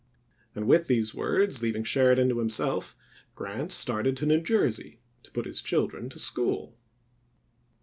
and with these words, leaving Sheridan to himself, Grant started to New Jersey to put his children to school.